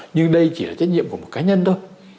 nhưng đây chỉ là trách nhiệm của một cá nhân thôi